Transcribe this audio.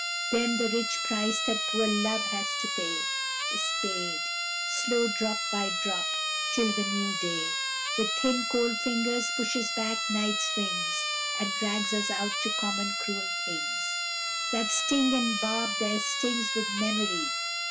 Then the rich price that poor Love has to pay Is paid, slow drop by drop, till the new day With thin cold fingers pushes back night's wings, And drags us out to common cruel things That sting, and barb their stings with memory.